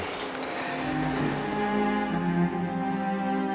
jar saya biarkan ontario